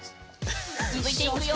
続いていくよ！